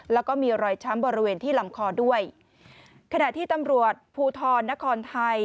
แล้วก็มีรอยช้ำบริเวณที่ลำคอด้วยขณะที่ตำรวจภูทรนครไทย